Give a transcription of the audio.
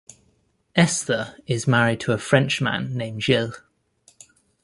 Esther is married to a French man named Gilles.